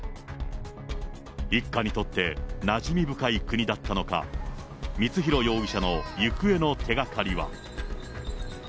一家にとってなじみ深い国だったのか、光弘容疑者の行方の手がかりは？